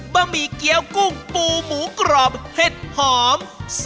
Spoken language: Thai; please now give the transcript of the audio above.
บะหมี่เกี้ยวกุ้งปูหมูกรอบเห็ดหอม